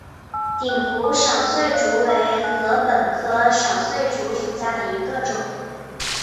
鼎湖少穗竹为禾本科少穗竹属下的一个种。